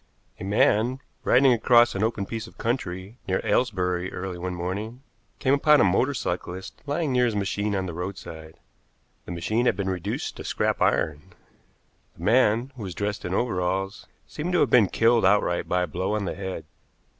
A man, riding across an open piece of country near Aylesbury early one morning, came upon a motor cyclist lying near his machine on the roadside. The machine had been reduced to scrap iron. The man, who was dressed in overalls, seemed to have been killed outright by a blow on the head.